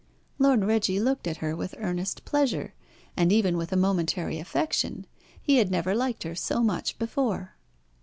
Lord Reggie looked at her with earnest pleasure, and even with a momentary affection. He had never liked her so much before.